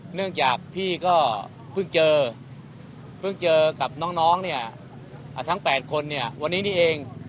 เนื่องจากพี่ก็เพิ่งเจอกับน้องทั้ง๘คนนี้เอง